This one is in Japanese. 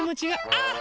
あっ！